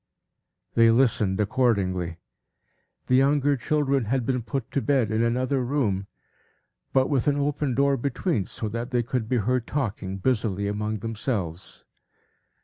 They listened accordingly. The younger children had been put to bed in another room, but with an open door between, so that they could be heard talking busily among themselves.